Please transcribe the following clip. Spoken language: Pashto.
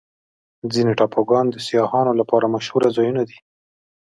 ځینې ټاپوګان د سیاحانو لپاره مشهوره ځایونه دي.